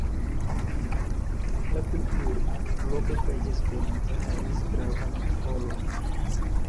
La kulturo, loka kaj esperanta, havis gravan rolon.